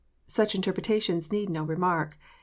Such interpretations need no remark.